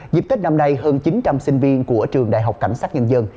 dịp tết năm nay hơn chín trăm linh sinh viên của trường đại học cảnh sát nhân dân